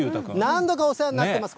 何度かお世話になってます。